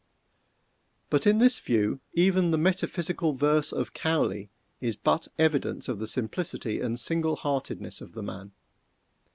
But in this view even the "metaphysical verse" of Cowley is but evidence of the simplicity and single heartedness of the man.